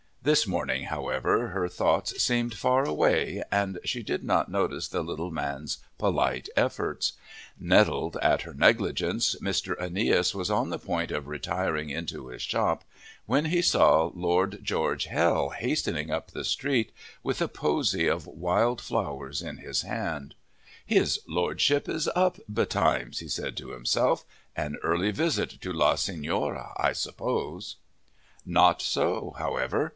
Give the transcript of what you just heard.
This morning, however, her thoughts seemed far away, and she did not notice the little man's polite efforts. Nettled at her negligence, Mr. Aeneas was on the point of retiring into his shop, when he saw Lord George Hell hastening up the street, with a posy of wild flowers in his hand. "His Lordship is up betimes!" he said to himself. "An early visit to La Signora, I suppose." Not so, however.